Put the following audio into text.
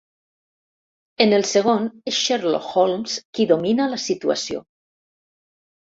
En el segon, és Sherlock Holmes qui domina la situació.